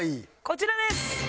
こちらです！